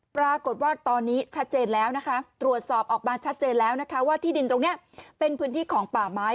ปรากฏว่าตอนนี้ชัดเจนแล้วนะคะตรวจสอบออกมาชัดเจนแล้วนะคะว่าที่ดินตรงนี้เป็นพื้นที่ของป่าไม้